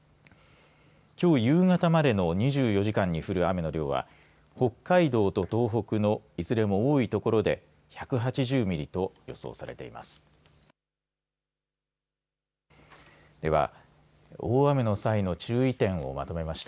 きょう夕方までの２４時間に降る雨の量は北海道と東北のいずれも多い所で１８０ミリと予想されています。